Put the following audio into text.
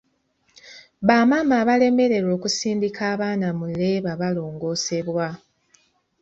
Bamaama abalemererwa okusindika abaana mu leeba balongosebwa.